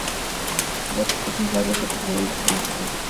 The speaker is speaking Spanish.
Björk hizo varios experimentos con esta canción.